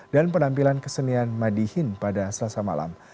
dan penampilan kesenian madihin pada selasa malam